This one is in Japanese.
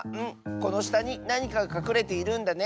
このしたになにかがかくれているんだね！